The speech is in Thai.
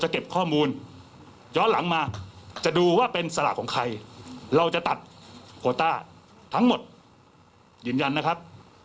ก็คือจัดโควต้าทั้งหมดยืนยันนะครับ